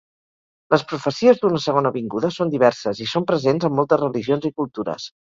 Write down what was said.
Les profecies d'una segona vinguda són diverses i són presents en moltes religions i cultures.